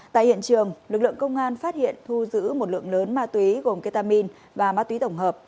tại hiện trường lực lượng công an phát hiện thu giữ một lượng lớn ma túy gồm ketamin và ma túy tổng hợp